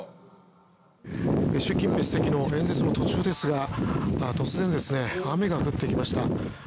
習近平主席の演説の途中ですが突然ですね雨が降ってきました。